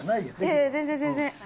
いえいえ全然全然。